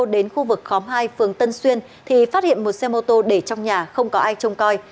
đến khu vực khóm hai phường tân xuyên thì phát hiện một xe mô tô để trong nhà không có ai trông coi